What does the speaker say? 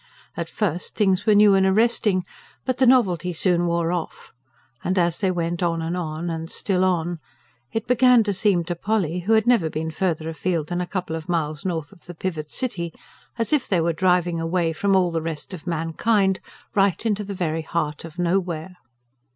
At first, things were new and arresting, but the novelty soon wore off; and as they went on and on, and still on, it began to seem to Polly, who had never been farther afield than a couple of miles north of the "Pivot City," as if they were driving away from all the rest of mankind, right into the very heart of nowhere.